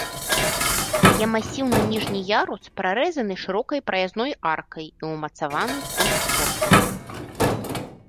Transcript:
Яе масіўны ніжні ярус прарэзаны шырокай праязной аркай і ўмацаваны контрфорсамі.